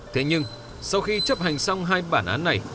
thế nhưng sau khi chấp hành xong hai bản án này